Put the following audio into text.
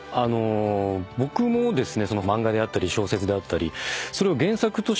僕もですね。